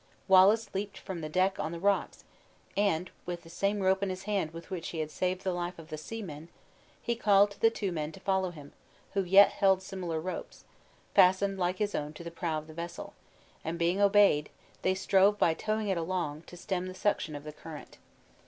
Wallace leaped from the deck on the rocks, and, with the same rope in his hand with which he had saved the life of the seaman, he called to the two men to follow him, who yet held similar ropes, fastened like his own to the prow of the vessel; and being obeyed, they strove by towing it along, to stem the suction of the current.